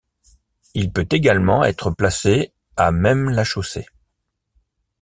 Il peut également être placé à même la chaussée.